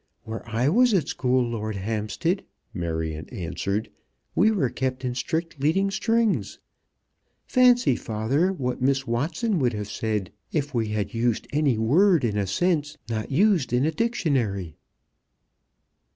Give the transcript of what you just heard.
"Where I was at school, Lord Hampstead," Marion answered, "we were kept in strict leading strings. Fancy, father, what Miss Watson would have said if we had used any word in a sense not used in a dictionary."